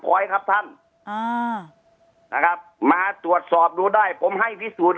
ไว้ครับท่านอ่านะครับมาตรวจสอบดูได้ผมให้พิสูจน์